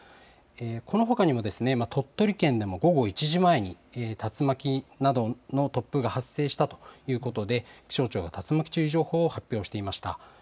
このほかにも鳥取県でも午後１時前に、竜巻などの突風が発生したということで、気象庁が竜巻注意情報を発表していました。